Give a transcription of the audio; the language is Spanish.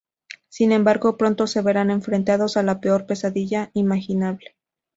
Sin embargo, pronto se verán enfrentados a la peor pesadilla imaginable.